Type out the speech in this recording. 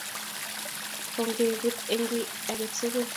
ko ngeboot eng kiiy age tugul